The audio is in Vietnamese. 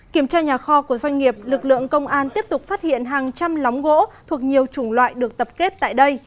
kiểm tra nhà kho của doanh nghiệp lực lượng công an tiếp tục phát hiện hàng trăm lóng gỗ thuộc nhiều chủng loại được tập kết tại đây